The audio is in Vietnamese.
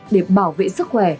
để bảo vệ sức khỏe